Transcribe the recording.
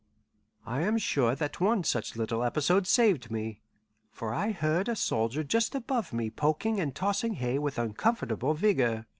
I am sure that one such little episode saved me. For I heard a soldier just above me poking and tossing hay with uncomfortable vigour.